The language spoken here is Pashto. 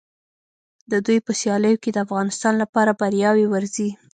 د دوی په سیالیو کې د افغانستان لپاره بریاوې ورځي.